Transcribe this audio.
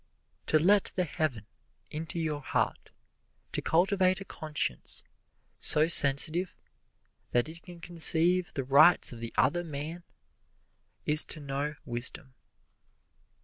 To let the Heaven into your heart, to cultivate a conscience so sensitive that it can conceive the rights of the other man, is to know wisdom.